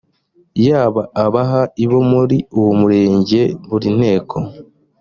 y aba baha i bo muri uwo murenge buri nteko